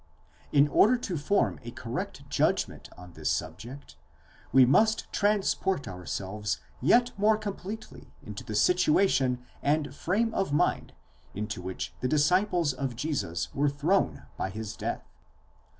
In order to forma correct judgment on this subject, we must transport ourselves yet more com pletely into the situation and frame of mind into which the disciples of Jesus were thrown by his death.